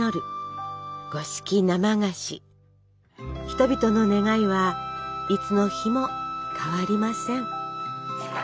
人々の願いはいつの日も変わりません。